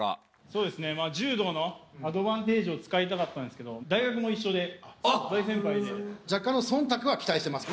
そうですね柔道のアドバンテージを使いたかったんですけど大先輩でなるほど！